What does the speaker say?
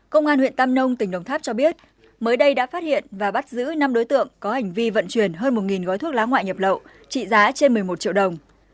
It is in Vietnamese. công an huyện tam nông tỉnh đồng tháp cho biết mới đây đã phát hiện và bắt giữ năm đối tượng có hành vi vận chuyển hơn một gói thuốc lá ngoại nhập lậu trị giá trên một mươi một triệu đồng